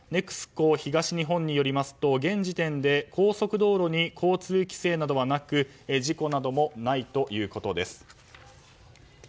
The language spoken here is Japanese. ＮＥＸＣＯ東日本によりますと現時点で高速道路に交通規制などはなく事故などもないということです。